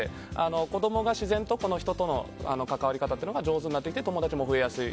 子供が自然と人との関わり方というのが上手になってきて友達も増えやすい。